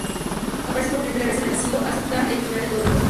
Aparecen por primera vez en el Asilo, hasta el final de todo el juego.